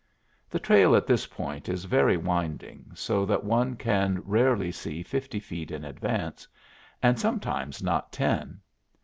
The trail at this point is very winding, so that one can rarely see fifty feet in advance, and sometimes not ten.